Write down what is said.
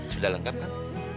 sudah lengkap kan